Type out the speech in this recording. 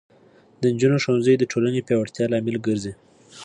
د نجونو ښوونځی د ټولنې پیاوړتیا لامل ګرځي.